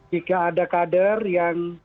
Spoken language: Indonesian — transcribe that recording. jika ada kader yang